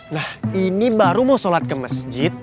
nah ini baru mau sholat ke masjid